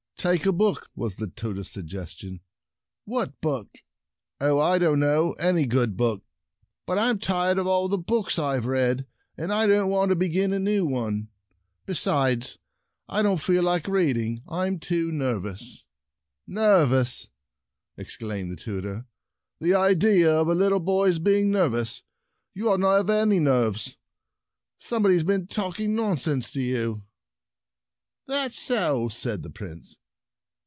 "Take a book," was the tutor's suggestion. "What book?" "Oh, I don't know, — any good book." "But I'm tired of all the books I've read, and I don't want to begin a new one. Be sides, I don't feel like reading. I'm too nervous." " Nervous !" exclaimed the tutor,— " the idea of a little boy's being nervous. You ought not to have any nerves. Somebody has been talking nonsense to you." " That's so," said the Prince.